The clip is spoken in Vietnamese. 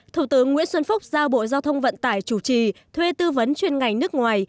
thủ tướng nguyễn xuân phúc giao bộ giao thông vận tải chủ trì thuê tư vấn chuyên ngành nước ngoài